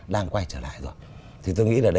đang quay trở lại rồi thì tôi nghĩ là